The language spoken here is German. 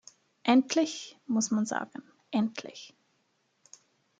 Endlich, muss man sagen, endlich!